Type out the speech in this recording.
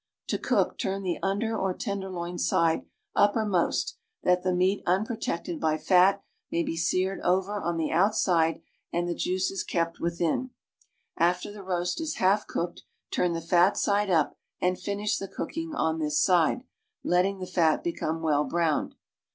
To cook turn tlic under or tenderloin side upper most, that the meat unprotected by fat may be seared over on the outside and the juices kept witliiii. After the roast is half cooked turn the fat side up and finish the cooking on this side, letting the fat bet ome well browned.